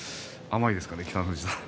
甘いですか、北の富士さん。